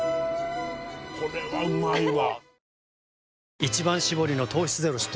これはうまいわ。